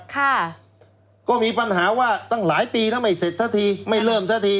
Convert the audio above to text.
ค่ะก็มีปัญหาว่าตั้งหลายปีถ้าไม่เสร็จสักทีไม่เริ่มซะที